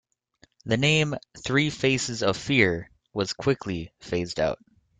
The name "Three Faces of Fear" was quickly phased out.